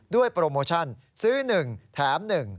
โปรโมชั่นซื้อ๑แถม๑